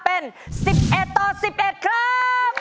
เป็น๑๑ต่อ๑๑ครับ